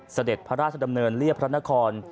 เสด็จพระราชดำเนินเรียบพระนคร